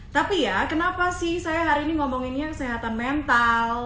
tapi ya kenapa sih saya hari ini ngomonginnya kesehatan mental